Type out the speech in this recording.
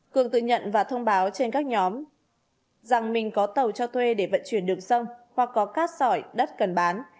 cường tự nhận và thông báo trên các nhóm rằng mình có tàu cho thuê để vận chuyển đường sông hoặc có cát sỏi đất cần bán